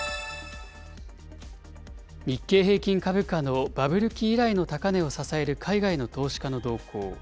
日経平均株価のバブル期以来の高値を支える海外の投資家の動向。